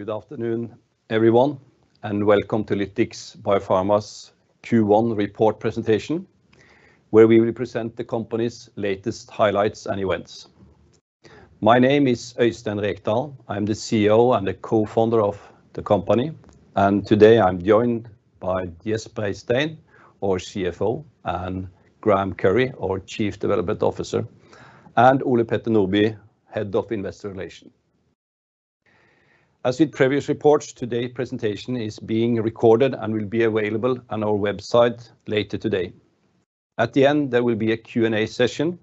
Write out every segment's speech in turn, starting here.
Good afternoon, everyone, and welcome to Lytix Biopharma's Q1 report presentation, where we will present the company's latest highlights and events. My name is Øystein Rekdal. I'm the CEO and the co-founder of the company, and today I'm joined by Gjest Breistein, our CFO, and Graeme Currie, our Chief Development Officer, and Ole Peter Nordby, Head of Investor Relation. As with previous reports, today presentation is being recorded and will be available on our website later today. At the end, there will be a Q&A session.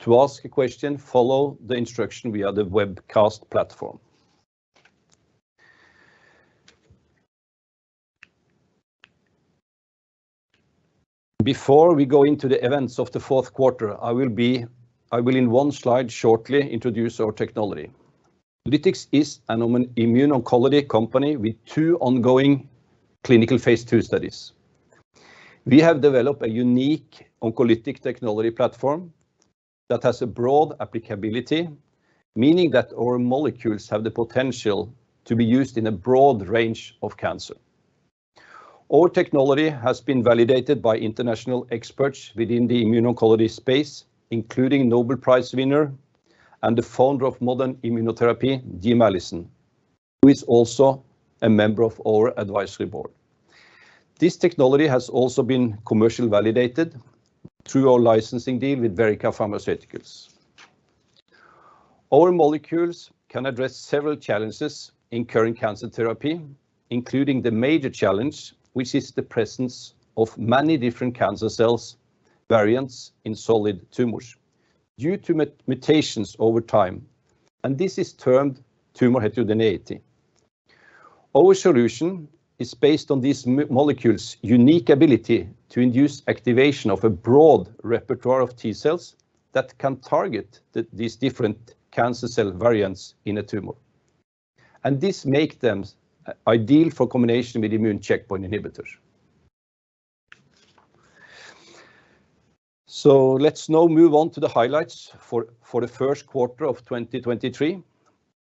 To ask a question, follow the instruction via the webcast platform. Before we go into the events of the fourth quarter, I will in one slide shortly introduce our technology. Lytix Biopharma is an immuno-oncology company with two ongoing clinical phase II studies. We have developed a unique oncolytic technology platform that has a broad applicability, meaning that our molecules have the potential to be used in a broad range of cancer. Our technology has been validated by international experts within the immuno-oncology space, including Nobel Prize winner and the founder of modern immunotherapy, Jim Allison, who is also a member of our advisory board. This technology has also been commercially validated through our licensing deal with Verrica Pharmaceuticals. Our molecules can address several challenges in current cancer therapy, including the major challenge, which is the presence of many different cancer cells, variants in solid tumors due to mutations over time, and this is termed tumor heterogeneity. This make them ideal for combination with immune checkpoint inhibitors. Let's now move on to the highlights for the first quarter of 2023.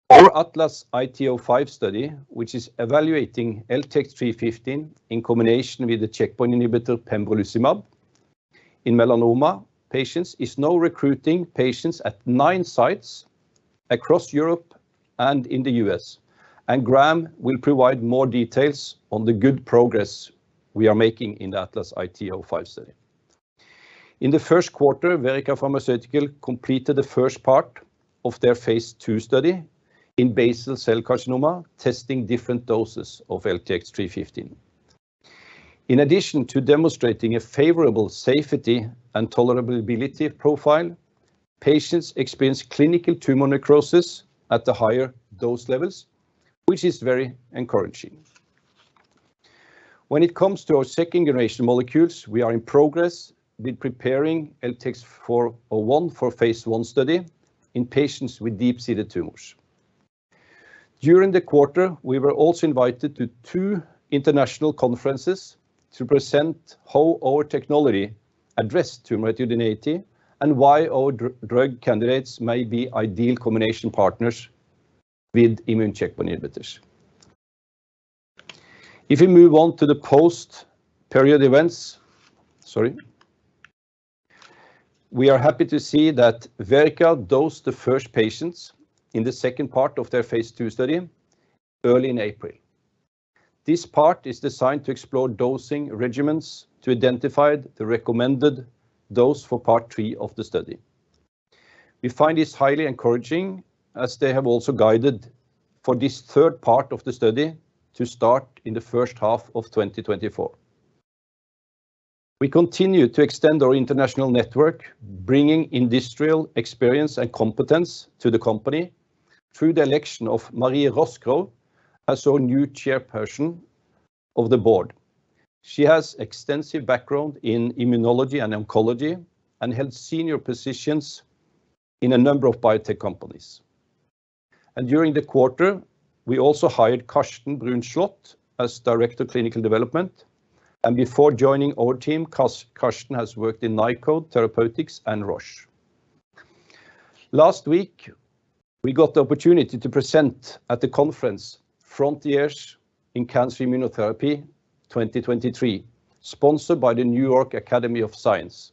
Our ATLAS-IT-05 study, which is evaluating LTX-315 in combination with the checkpoint inhibitor pembrolizumab in melanoma patients, is now recruiting patients at nine sites across Europe and in the U.S. Graeme will provide more details on the good progress we are making in the ATLAS-IT-05 study. In the first quarter, Verrica Pharmaceuticals completed the first part of their phase II study in basal cell carcinoma, testing different doses of LTX-315. In addition to demonstrating a favorable safety and tolerability profile, patients experienced clinical tumor necrosis at the higher dose levels, which is very encouraging. When it comes to our second-generation molecules, we are in progress with preparing LTX-401 for phase I study in patients with deep-seated tumors. During the quarter, we were also invited to two international conferences to present how our technology addressed tumor heterogeneity and why our drug candidates may be ideal combination partners with immune checkpoint inhibitors. If we move on to the post-period events. Sorry. We are happy to see that Verrica dosed the first patients in the second part of their phase II study early in April. This part is designed to explore dosing regimens to identify the recommended dose for part three of the study. We find this highly encouraging, as they have also guided for this third part of the study to start in the first half of 2024. We continue to extend our international network, bringing industrial experience and competence to the company through the election of Marie Roskrow as our new Chairperson of the Board. She has extensive background in immunology and oncology and held senior positions in a number of biotech companies. During the quarter, we also hired Karsten Bruins Slot as director of clinical development, and before joining our team, Karsten has worked in Nykode Therapeutics and Roche. Last week, we got the opportunity to present at the conference Frontiers in Cancer Immunotherapy 2023, sponsored by The New York Academy of Sciences,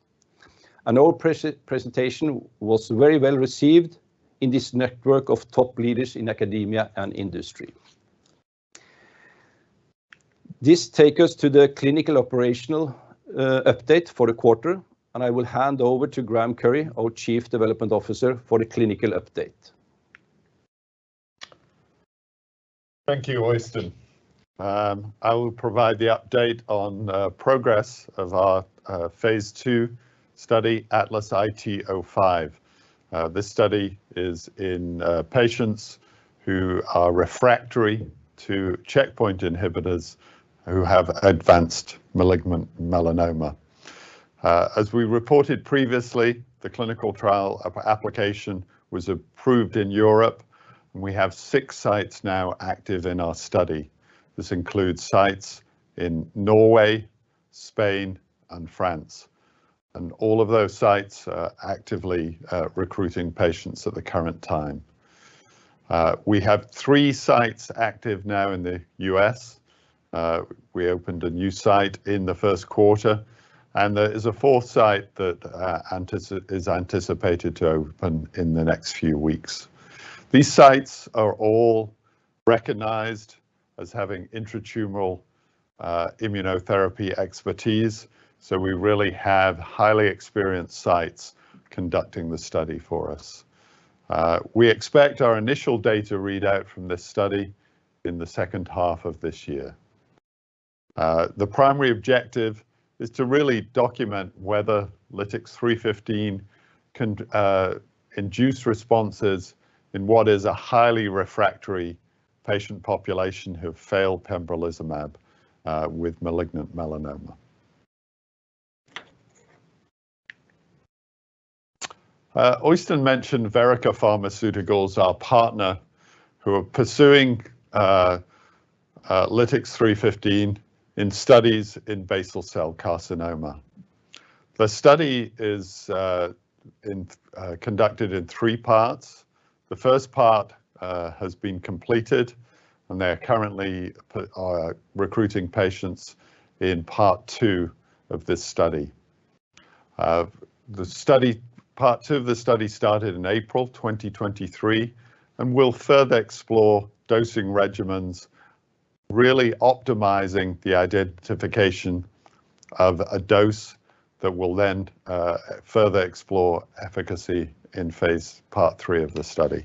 and our presentation was very well received in this network of top leaders in academia and industry. This take us to the clinical operational, update for the quarter, and I will hand over to Graeme Currie, our Chief Development Officer, for the clinical update. Thank you, Øystein. I will provide the update on progress of our phase II study, ATLAS-IT-05. This study is in patients who are refractory to checkpoint inhibitors who have advanced malignant melanoma. As we reported previously, the clinical trial application was approved in Europe, and we have six sites now active in our study. This includes sites in Norway, Spain, and France. All of those sites are actively recruiting patients at the current time. We have three sites active now in the U.S. We opened a new site in the first quarter, and there is a fourth site that is anticipated to open in the next few weeks. These sites are all recognized as having intratumoral immunotherapy expertise, so we really have highly experienced sites conducting the study for us. We expect our initial data readout from this study in the second half of this year. The primary objective is to really document whether LTX-315 can induce responses in what is a highly refractory patient population who have failed pembrolizumab with malignant melanoma. Øystein mentioned Verrica Pharmaceuticals, our partner, who are pursuing LTX-315 in studies in basal cell carcinoma. The study is conducted in three parts. The first part has been completed, and they are currently recruiting patients in part two of this study. The study, part two of the study started in April 2023, and will further explore dosing regimens, really optimizing the identification of a dose that will then further explore efficacy in phase part three of the study.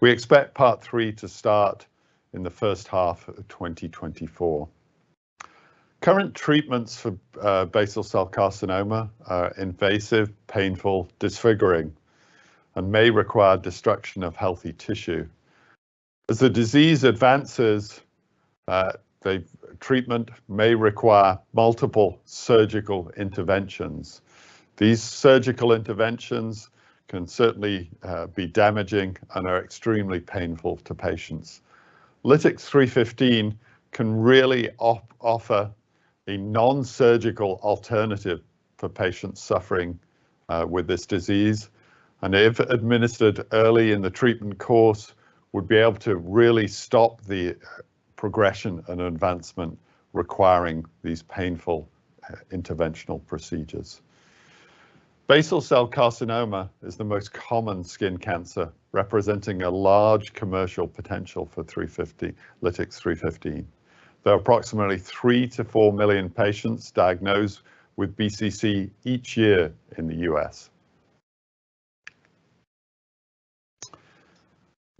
We expect part three to start in the first half of 2024. Current treatments for basal cell carcinoma are invasive, painful, disfiguring, and may require destruction of healthy tissue. As the disease advances, the treatment may require multiple surgical interventions. These surgical interventions can certainly be damaging and are extremely painful to patients. LTX-315 can really offer a non-surgical alternative for patients suffering with this disease, and if administered early in the treatment course, would be able to really stop the progression and advancement requiring these painful interventional procedures. Basal cell carcinoma is the most common skin cancer, representing a large commercial potential for LTX-315. There are approximately 3-4 million patients diagnosed with BCC each year in the U.S.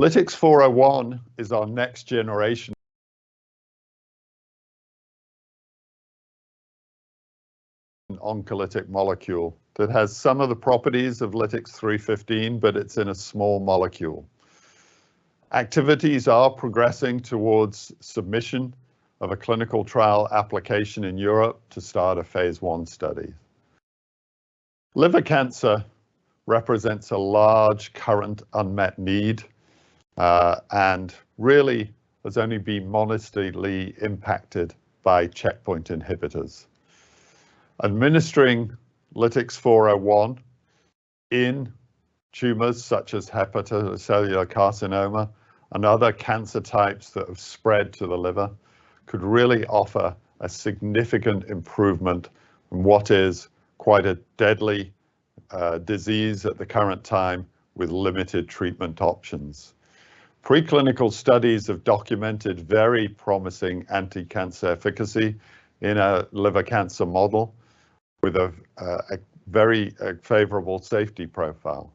LTX-401 is our next generation oncolytic molecule that has some of the properties of LTX-315, but it's in a small molecule. Activities are progressing towards submission of a clinical trial application in Europe to start a phase I study. Liver cancer represents a large current unmet need and really has only been modestly impacted by checkpoint inhibitors. Administering LTX-401 in tumors such as hepatocellular carcinoma and other cancer types that have spread to the liver could really offer a significant improvement in what is quite a deadly disease at the current time with limited treatment options. Preclinical studies have documented very promising anti-cancer efficacy in a liver cancer model with a very favorable safety profile.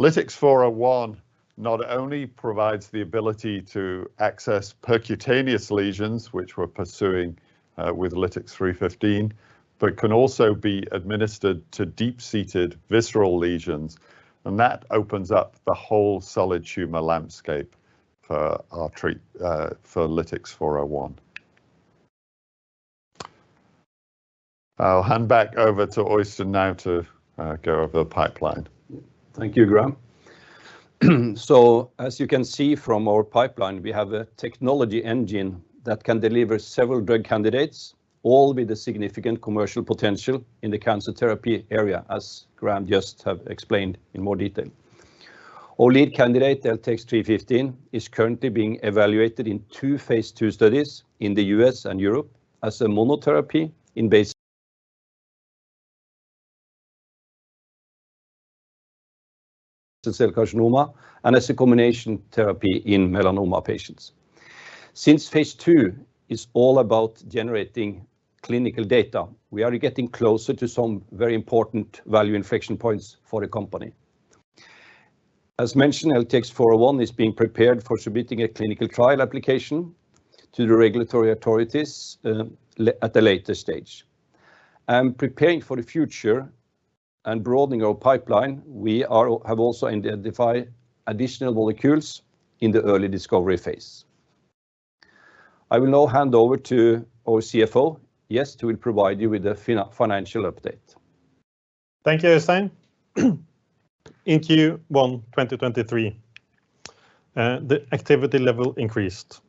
LTX-401 not only provides the ability to access percutaneous lesions, which we're pursuing with LTX-315, but can also be administered to deep-seated visceral lesions, and that opens up the whole solid tumor landscape for LTX-401. I'll hand back over to Øystein now to go over the pipeline. Thank you, Graeme. As you can see from our pipeline, we have a technology engine that can deliver several drug candidates, all with a significant commercial potential in the cancer therapy area, as Graeme just have explained in more detail. Our lead candidate, LTX-315, is currently being evaluated in two phase II studies in the U.S. and Europe as a monotherapy in basal cell carcinoma and as a combination therapy in melanoma patients. Since phase II is all about generating clinical data, we are getting closer to some very important value inflection points for the company. As mentioned, LTX-401 is being prepared for submitting a clinical trial application to the regulatory authorities at a later stage. Preparing for the future and broadening our pipeline, we have also identified additional molecules in the early discovery phase. I will now hand over to our CFO, Gjest, who will provide you with a financial update. Thank you, Øystein. In Q1 2023, the activity level increased.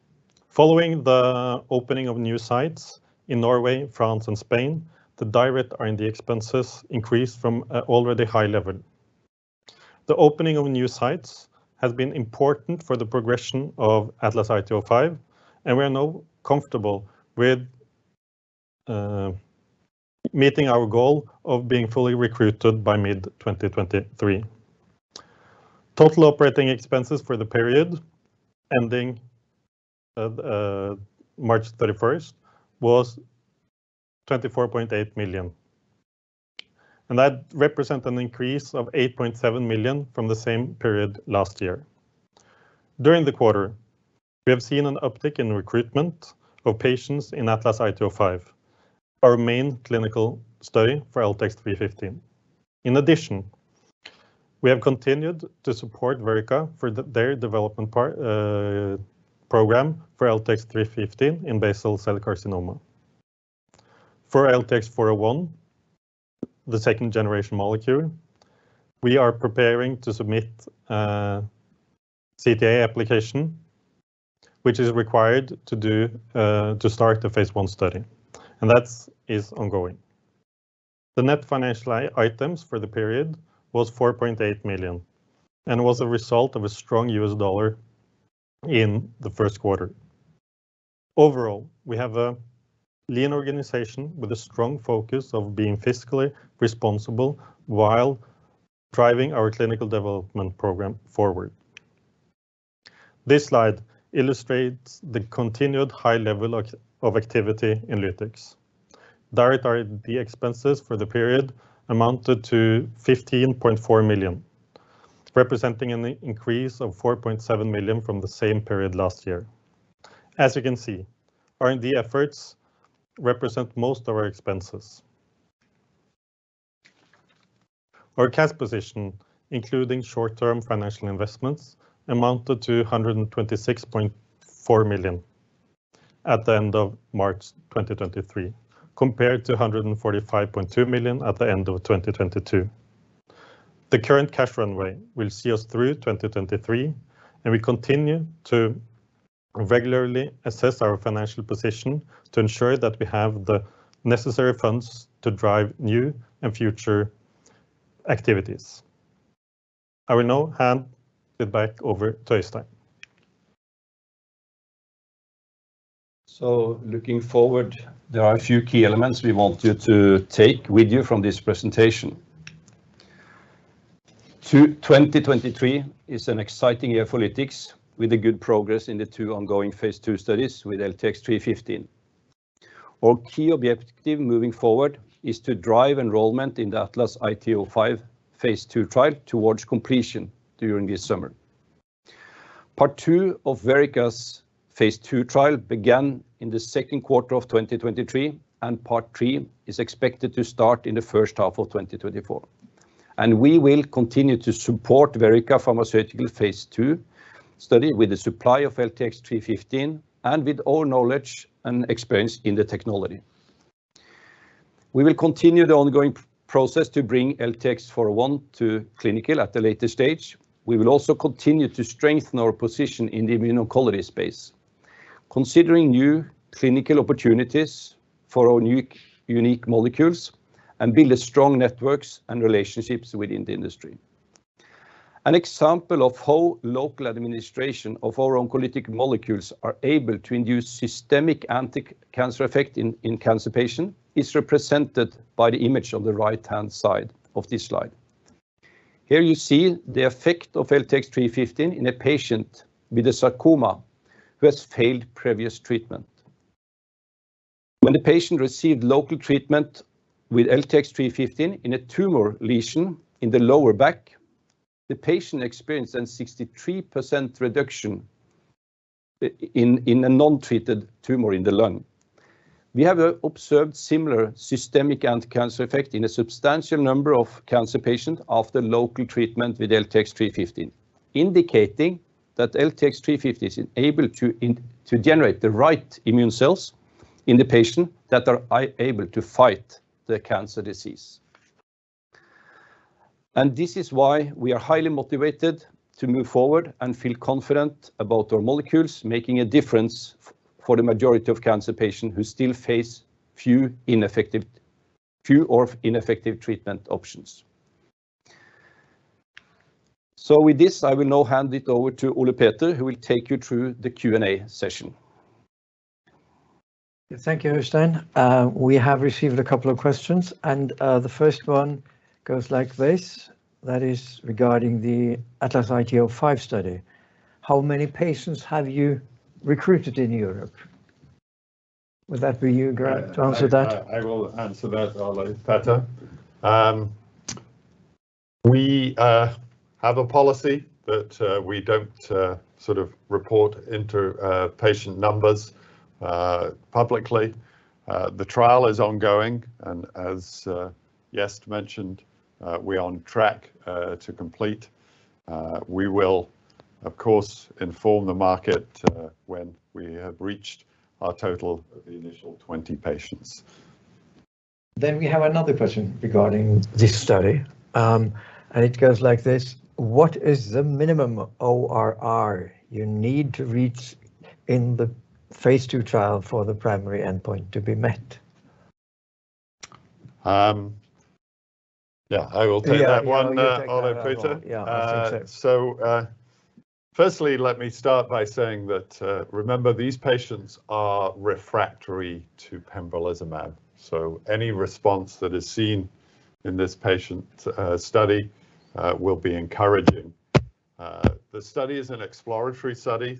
Following the opening of new sites in Norway, France, and Spain, the direct R&D expenses increased from a already high level. The opening of new sites has been important for the progression of ATLAS-IT-05. We are now comfortable with meeting our goal of being fully recruited by mid-2023. Total operating expenses for the period ending March 31st was 24.8 million. That represent an increase of 8.7 million from the same period last year. During the quarter, we have seen an uptick in recruitment of patients in ATLAS-IT-05, our main clinical study for LTX-315. In addition, we have continued to support Verrica for their development part program for LTX-315 in basal cell carcinoma. For LTX-401, the second generation molecule, we are preparing to submit a CTA application, which is required to do to start the phase I study, and that's ongoing. The net financial items for the period was $4.8 million and was a result of a strong U.S. dollar in the first quarter. Overall, we have a lean organization with a strong focus of being fiscally responsible while driving our clinical development program forward. This slide illustrates the continued high level of activity in Lytix. Direct R&D expenses for the period amounted to 15.4 million, representing an increase of 4.7 million from the same period last year. As you can see, R&D efforts represent most of our expenses. Our cash position, including short-term financial investments, amounted to 126.4 million at the end of March 2023, compared to 145.2 million at the end of 2022. The current cash runway will see us through 2023. We continue to regularly assess our financial position to ensure that we have the necessary funds to drive new and future activities. I will now hand it back over to Øystein. Looking forward, there are a few key elements we want you to take with you from this presentation. 2023 is an exciting year for Lytix Biopharma, with a good progress in the two ongoing phase II studies with LTX-315. Our key objective moving forward is to drive enrollment in the ATLAS-IT-05 phase II trial towards completion during this summer. Part two of Verrica's phase II trial began in the second quarter of 2023, and part three is expected to start in the first half of 2024. We will continue to support Verrica Pharmaceuticals phase II study with the supply of LTX-315 and with all knowledge and experience in the technology. We will continue the ongoing process to bring LTX-401 to clinical at a later stage. We will also continue to strengthen our position in the immuno-oncology space, considering new clinical opportunities for our unique molecules and build strong networks and relationships within the industry. An example of how local administration of our oncolytic molecules are able to induce systemic anticancer effect in cancer patient is represented by the image on the right-hand side of this slide. Here you see the effect of LTX-315 in a patient with a sarcoma who has failed previous treatment. When the patient received local treatment with LTX-315 in a tumor lesion in the lower back, the patient experienced a 63% reduction in a non-treated tumor in the lung. We have observed similar systemic anticancer effect in a substantial number of cancer patient after local treatment with LTX-315, indicating that LTX-315 is able to generate the right immune cells in the patient that are able to fight the cancer disease. This is why we are highly motivated to move forward and feel confident about our molecules making a difference for the majority of cancer patient who still face few or ineffective treatment options. With this, I will now hand it over to Ole Peter, who will take you through the Q&A session. Thank you, Øystein. We have received a couple of questions. The first one goes like this. That is regarding the ATLAS-IT-05 study. How many patients have you recruited in Europe? Would that be you, Graham, to answer that? I will answer that, Ole Peter. We have a policy that we don't sort of report inter patient numbers publicly. The trial is ongoing, and as Gjest mentioned, we're on track to complete. We will of course inform the market when we have reached our total of the initial 20 patients. We have another question regarding this study, and it goes like this. What is the minimum ORR you need to reach in the phase II trial for the primary endpoint to be met? Yeah, I will take that. Yeah, you take that one. Ole Peter. Yeah, I think so. Firstly, let me start by saying that, remember these patients are refractory to pembrolizumab, so any response that is seen in this patient, study, will be encouraging. The study is an exploratory study.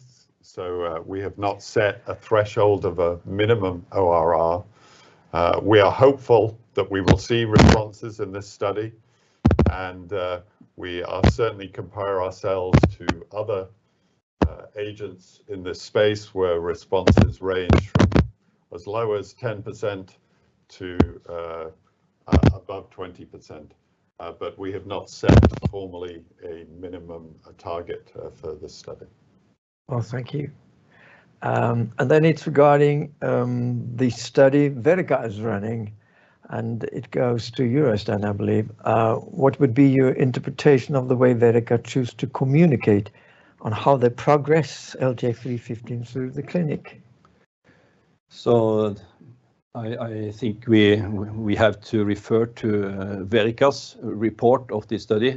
We have not set a threshold of a minimum ORR. We are hopeful that we will see responses in this study and, we are certainly compare ourselves to other, agents in this space where responses range from as low as 10% to, above 20%. We have not set formally a minimum target, for this study. Thank you. It's regarding the study Verrica is running, and it goes to you, Øystein, I believe. What would be your interpretation of the way Verrica choose to communicate on how they progress LTX-315 through the clinic? I think we have to refer to Verrica's report of this study.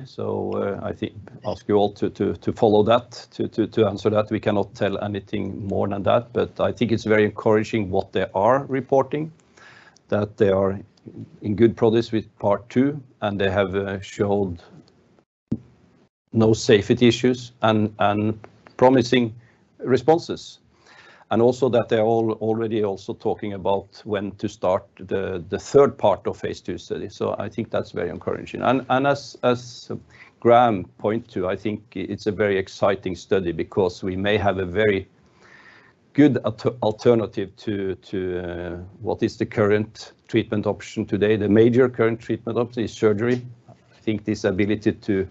I think ask you all to follow that to answer that we cannot tell anything more than that. I think it's very encouraging what they are reporting, that they are in good progress with part two, and they have showed no safety issues and promising responses, and also that they're already also talking about when to start the third part of phase II study. I think that's very encouraging. As Graeme point to, I think it's a very exciting study because we may have a very good alternative to what is the current treatment option today. The major current treatment option is surgery. I think this ability to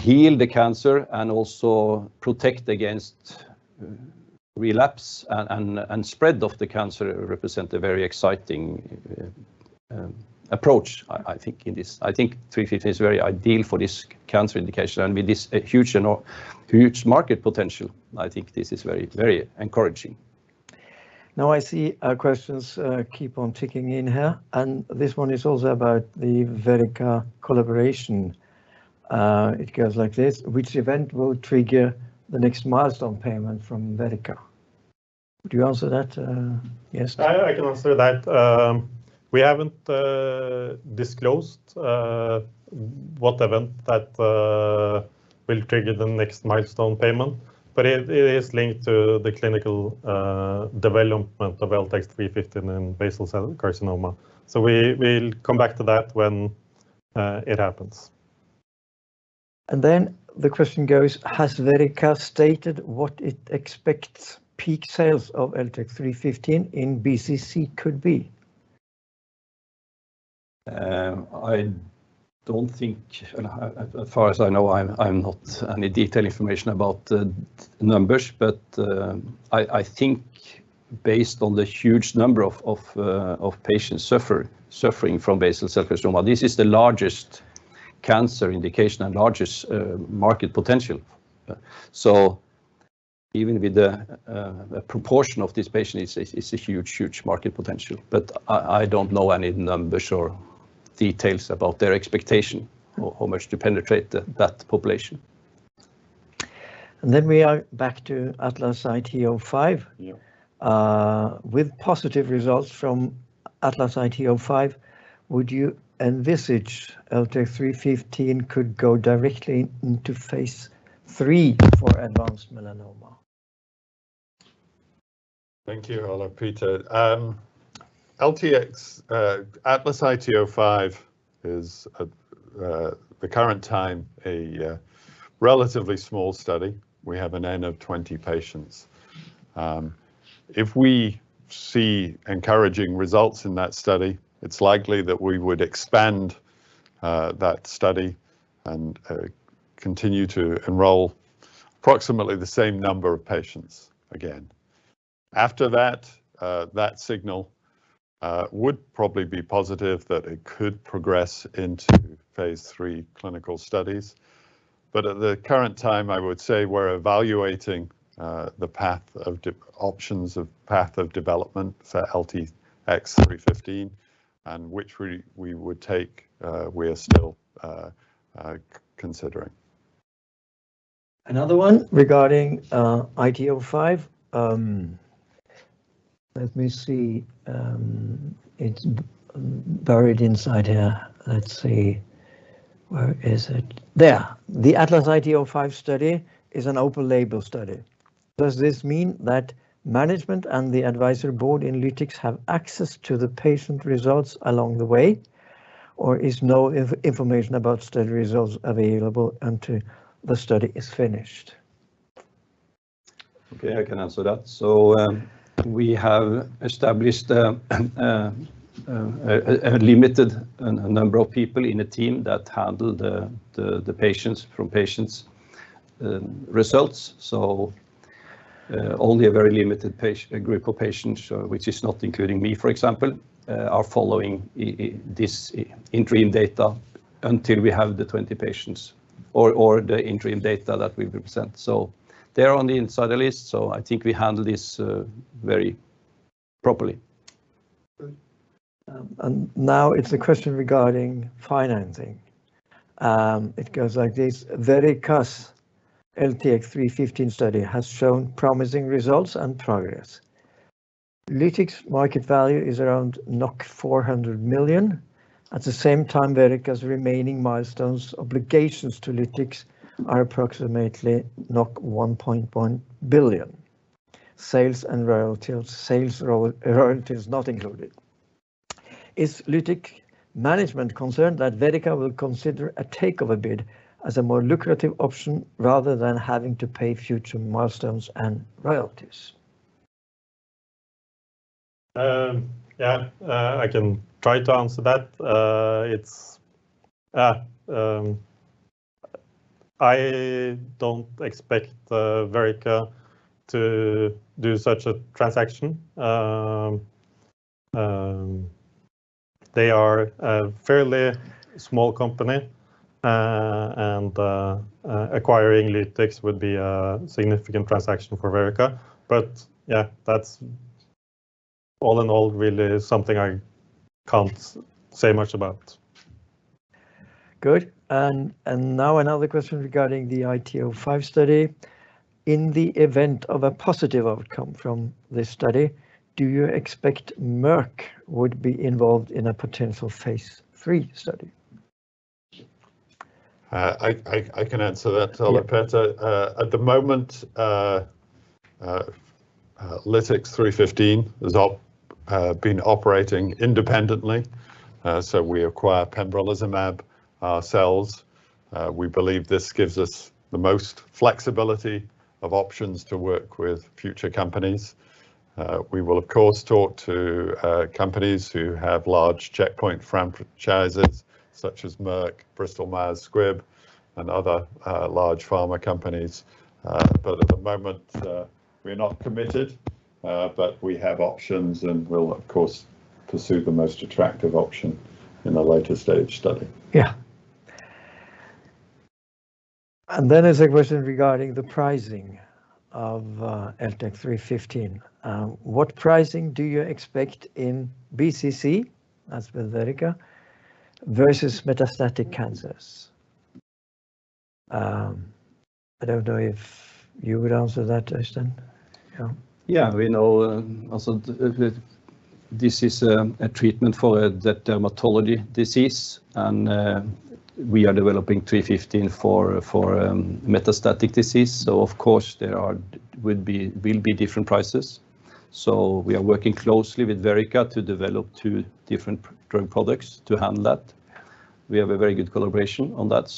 heal the cancer and also protect against relapse and spread of the cancer represent a very exciting approach, I think in this. I think 350 is very ideal for this cancer indication and with this a huge, you know, huge market potential. I think this is very encouraging. I see questions keep on ticking in here, and this one is also about the Verrica collaboration. It goes like this. Which event will trigger the next milestone payment from Verrica? Would you answer that, yes, Gjest? I can answer that. We haven't disclosed what event that will trigger the next milestone payment, but it is linked to the clinical development of LTX-315 in basal cell carcinoma. We'll come back to that when it happens. The question goes, has Verrica stated what it expects peak sales of LTX-315 in BCC could be? I don't think, and as far as I know, I'm not any detailed information about the numbers, but I think based on the huge number of patients suffering from basal cell carcinoma, this is the largest cancer indication and largest market potential. Even with the proportion of this patient, it's a huge market potential. I don't know any numbers or details about their expectation or how much to penetrate that population. We are back to ATLAS-IT-05. Yeah. With positive results from ATLAS-IT-05, would you envisage LTX-315 could go directly into phase III for advanced melanoma? Thank you, Ole Peter. LTX ATLAS-IT-05 is at the current time a relatively small study. We have an N of 20 patients. If we see encouraging results in that study, it's likely that we would expand that study and continue to enroll approximately the same number of patients again. After that signal would probably be positive that it could progress into phase III clinical studies. At the current time, I would say we're evaluating the path of development for LTX-315 and which we would take, we are still considering. Another one regarding IT-05. Let me see. It's buried inside here. Let's see. Where is it? There. The ATLAS-IT-05 study is an open label study. Does this mean that management and the advisory board in Lytix have access to the patient results along the way, or is no information about study results available until the study is finished? I can answer that. We have established a limited and a number of people in a team that handle the patients from patients' results. Only a very limited group of patients, which is not including me, for example, are following this interim data until we have the 20 patients or the interim data that we present. They're on the insider list, so I think we handle this very properly. Good. Now it's a question regarding financing. It goes like this. Verrica's LTX-315 study has shown promising results and progress. Lytix Biopharma market value is around 400 million. At the same time, Verrica's remaining milestones obligations to Lytix Biopharma are approximately 1.1 billion, sales and royalty, sales royalty is not included. Is Lytix Biopharma management concerned that Verrica will consider a takeover bid as a more lucrative option rather than having to pay future milestones and royalties? Yeah. I can try to answer that. It's, I don't expect Verrica to do such a transaction. They are a fairly small company, and acquiring Lytix would be a significant transaction for Verrica. Yeah, that's all in all really is something I can't say much about. Good. Now another question regarding the ATLAS-IT-05 study. In the event of a positive outcome from this study, do you expect Merck would be involved in a potential phase III study? I can answer that. Yeah Ole Peter. At the moment, LTX-315 has been operating independently, so we acquire pembrolizumab ourselves. We believe this gives us the most flexibility of options to work with future companies. We will of course talk to companies who have large checkpoint franchises such as Merck, Bristol Myers Squibb, and other large pharma companies. At the moment, we're not committed, but we have options, and we'll of course pursue the most attractive option in the later stage study. Yeah. Then there's a question regarding the pricing of LTX-315. What pricing do you expect in BCC as with Verrica versus metastatic cancers? I don't know if you would answer that, Øystein. Yeah. Yeah. We know, also this is a treatment for the dermatology disease. We are developing 315 for metastatic disease. Of course there will be different prices. We are working closely with Verrica to develop two different drug products to handle that. We have a very good collaboration on that.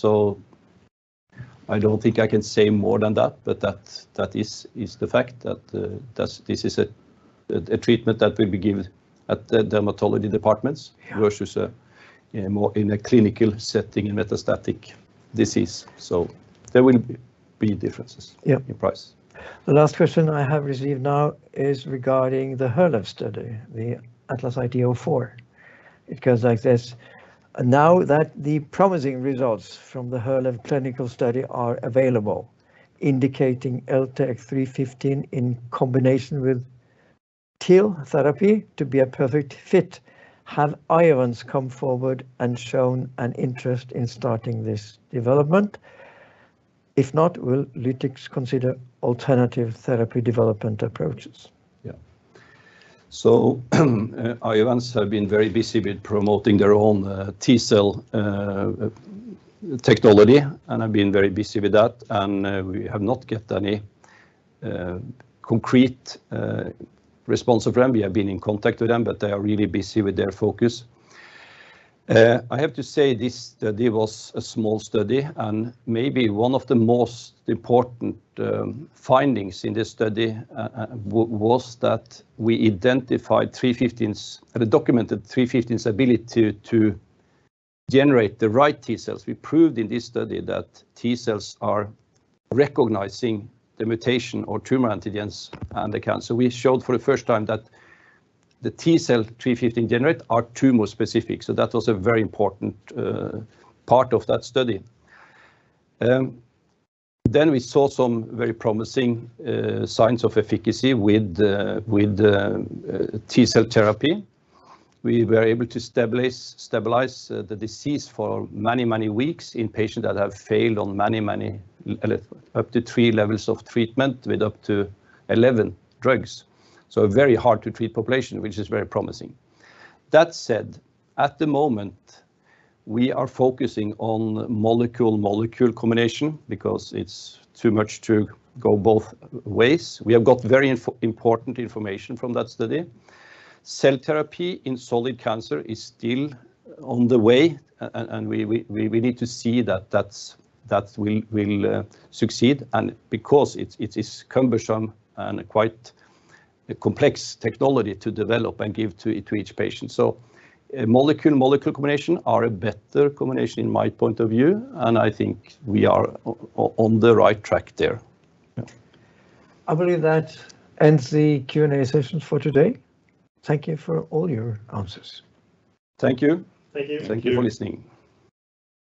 I don't think I can say more than that but that is the fact that this is a treatment that will be given at the dermatology departments. Yeah... versus a more in a clinical setting in metastatic disease. There will be differences. Yeah... in price. The last question I have received now is regarding the Herlev study, the ATLAS-IT-04. It goes like this. Now that the promising results from the Herlev clinical study are available, indicating LTX-315 in combination with TIL therapy to be a perfect fit, have Iovance come forward and shown an interest in starting this development? If not, will Lytix consider alternative therapy development approaches? Yeah. Iovance have been very busy with promoting their own T-cell technology, have been very busy with that, we have not get any concrete response from them. We have been in contact with them, they are really busy with their focus. I have to say this study was a small study, and maybe one of the most important findings in this study was that we identified LTX-315's or documented LTX-315's ability to generate the right T-cells. We proved in this study that T-cells are recognizing the mutation or tumor antigens and the cancer. We showed for the first time that the T-cell LTX-315 generate are tumor-specific, that was a very important part of that study. We saw some very promising signs of efficacy with the T-cell therapy. We were able to stabilize the disease for many, many weeks in patient that have failed on many, many up to three levels of treatment with up to 11 drugs, so a very hard to treat population, which is very promising. That said, at the moment we are focusing on molecule-molecule combination because it's too much to go both ways. We have got very important information from that study. Cell therapy in solid cancer is still on the way and we need to see that that's, that will succeed, and because it is cumbersome and quite a complex technology to develop and give to each patient. A molecule-molecule combination are a better combination in my point of view, and I think we are on the right track there. Yeah. I believe that ends the Q&A session for today. Thank you for all your answers. Thank you. Thank you. Thank you for listening. Thank you.